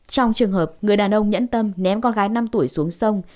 trong trường hợp người đàn ông nhẫn tâm ném con gái năm tuổi xuống sông